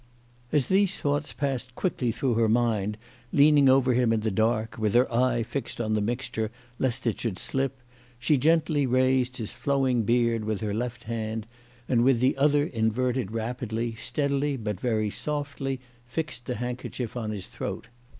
As these thoughts passed quickly through her mind, leaning over him in the dark, with her eye fixed on the mixture lest it should slip, she gently raised his flowing CHRISTMAS AT THOMPSON HALL. ^17 beard with her left hand, and with her other inverted rapidly, steadily but very softly fixed the handkerchief on his throat.